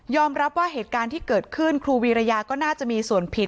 รับว่าเหตุการณ์ที่เกิดขึ้นครูวีรยาก็น่าจะมีส่วนผิด